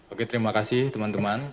oke terima kasih teman teman